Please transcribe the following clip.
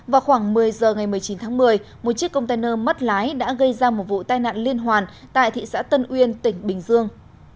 vào khoảng một mươi giờ ngày một mươi chín tháng một mươi một chiếc container mất lái đã gây ra một vụ tai nạn liên hoàn tại thị xã tân uyên tỉnh bình dương